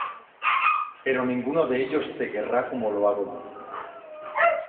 Pero ninguno de ellos te querrá como lo hago yo.